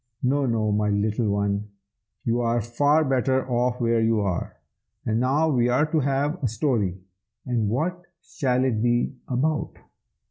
No, no, my little one! you are far better off where you are. But now we are to have a story, and what shall it be about?"